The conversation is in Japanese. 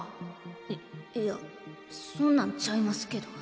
いいやそんなんちゃいますけど。